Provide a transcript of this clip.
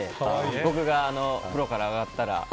僕が風呂からあがったら。